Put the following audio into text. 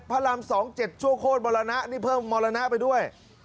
พระราม๒๗ชั่วโคตรมรณะนี่เพิ่มมรณะไปด้วย